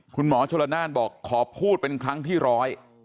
คุณหมอชนละนานบอกขอพูดเป็นครั้งที่ร้อย